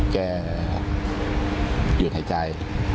หยุดหายใจ